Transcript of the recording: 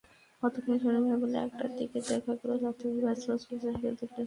গতকাল শনিবার বেলা একটার দিকে দেখা গেল যাত্রীবাহী বাসগুলো চলছে হেলেদুলে।